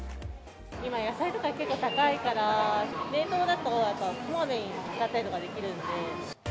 今、野菜とか結構高いから、冷凍だとこまめに使ったりとかできるので。